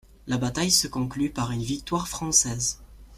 La bataille se conclut par une victoire française.